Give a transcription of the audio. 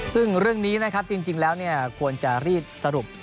ซึ่งเรื่องนี้นะครับจริงแล้วควรจะรีบสรุป